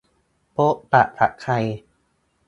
พบปะกับใคร